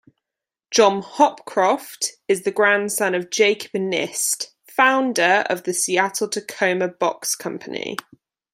John Hopcroft is the grandson of Jacob Nist, founder of the Seattle-Tacoma Box Company.